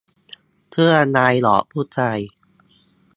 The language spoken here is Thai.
เสื้อลายดอกผู้ชาย